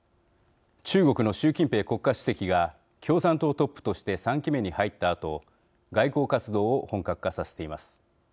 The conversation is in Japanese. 中国の習近平国家主席が共産党トップとして３期目に入ったあと外交活動を本格化させています。